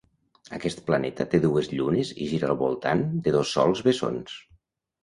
Aquest planeta té dues llunes i gira al voltant de dos sols bessons.